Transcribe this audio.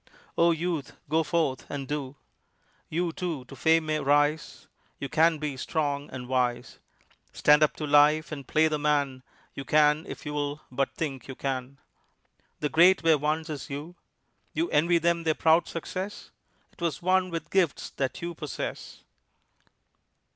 Oh, Youth, go forth and do! You, too, to fame may rise; You can be strong and wise. Stand up to life and play the man You can if you'll but think you can; The great were once as you. You envy them their proud success? 'Twas won with gifts that you possess.